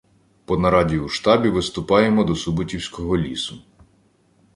По нараді у штабі виступаємо до Суботівського лісу.